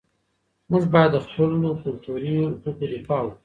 موږ باید د خپلو کلتوري حقوقو دفاع وکړو.